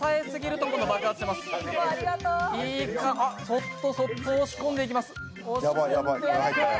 そっとそっと、押し込んでいきます。